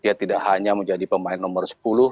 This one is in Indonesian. dia tidak hanya menjadi pemain nomor sepuluh